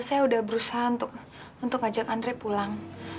saya udah berusaha untuk ajak andri pulang